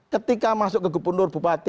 ketika masuk ke gubernur bupati